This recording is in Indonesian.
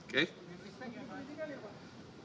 pokoknya kalau jabatan ini